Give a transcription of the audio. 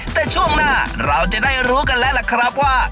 แต่ช่วงหน้าเราจะได้รู้กันแล้วล่ะครับว่า